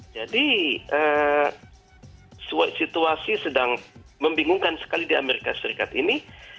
jadi situasi sedang membingungkan sekali di amerika serikat ini